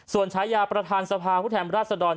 ส่วนฉายาวิธีประธานสภาพุทธแถมราชดร